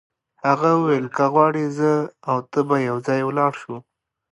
هغه وویل که غواړې زه او ته به یو ځای ولاړ شو.